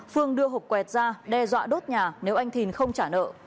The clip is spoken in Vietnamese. phương đưa hột quẹt ra đe dọa đốt nhà nếu anh thìn không trả nợ